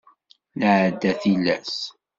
Nɛedda tilas.